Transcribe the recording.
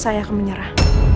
saya akan menyerah